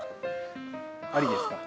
ありですか？